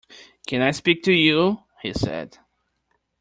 “Can I speak to you?” he said.